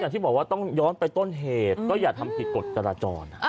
ที่บอกว่าต้องย้อนไปต้นเหตุก็อย่าทำผิดกฎจราจร